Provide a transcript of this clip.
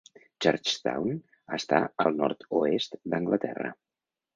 Churchtown està al nord-oest d'Anglaterra.